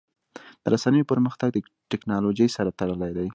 د رسنیو پرمختګ د ټکنالوژۍ سره تړلی دی.